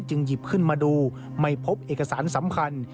หยิบขึ้นมาดูไม่พบเอกสารสำคัญ